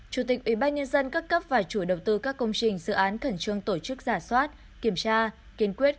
chủ tịch ubnd các cấp và chủ đầu tư các công trình dự án khẩn trương tổ chức giả soát kiểm tra kiên quyết